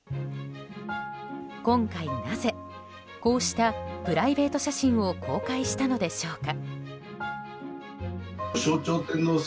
今回なぜ、こうしたプライベート写真を公開したのでしょうか。